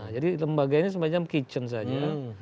jadi lembaga ini semacam kitchen saja